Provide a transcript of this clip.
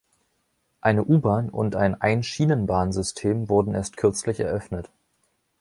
Eine U-Bahn und ein Einschienenbahnsystem wurden erst kürzlich eröffnet.